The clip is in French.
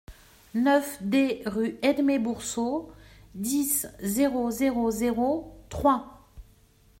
neuf D rue Édmé Boursault, dix, zéro zéro zéro, Troyes